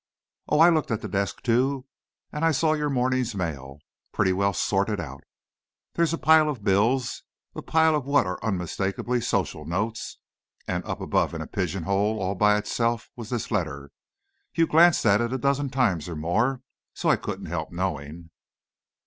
"Oh, I looked at the desk, too. And I saw your morning's mail, pretty well sorted out. There's a pile of bills, a pile of what are unmistakably social notes, and, up above in a pigeonhole, all by itself, was this letter. You glanced at it a dozen times or more, so I couldn't help knowing."